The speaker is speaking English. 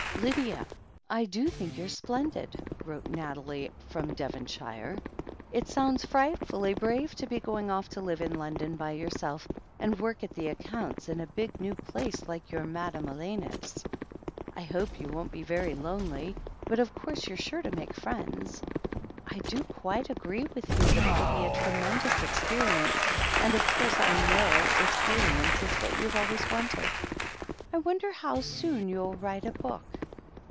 "Lydia, I do think you're splendid," wrote Nathalie from Devonshire. "It sounds frightfully brave to be going off to live in London by yourself, and work at the accounts in a big new place like your Madame Elena's. I hope you won't be very lonely, but, of course you're sure to make friends. I do quite agree with you that it will be a trqpicndous experience, and, of course, I know experience is what you've always wanted. I wonder how soon you'll write a book.